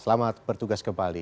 selamat bertugas kembali